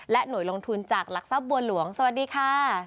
หน่วยลงทุนจากหลักทรัพย์บัวหลวงสวัสดีค่ะ